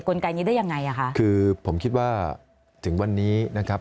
ไกนี้ได้ยังไงอ่ะคะคือผมคิดว่าถึงวันนี้นะครับ